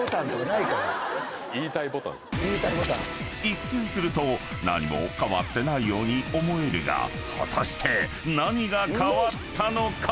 ［一見すると何も変わってないように思えるが果たして何が変わったのか⁉］